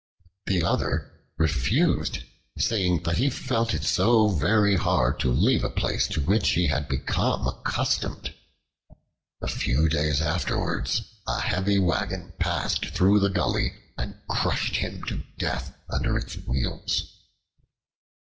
The other refused, saying that he felt it so very hard to leave a place to which he had become accustomed. A few days afterwards a heavy wagon passed through the gully and crushed him to death under its wheels.